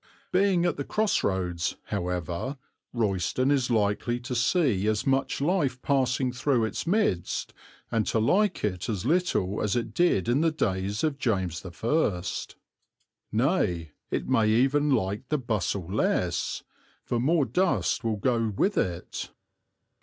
Being at the cross roads, however, Royston is likely to see as much life passing through its midst and to like it as little as it did in the days of James I. Nay, it may even like the bustle less, for more dust will go with it.